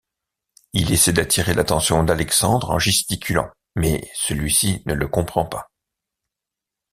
Il essaie d'attirer l'attention d'Alexandre en gesticulant, mais celui-ci ne le comprend pas.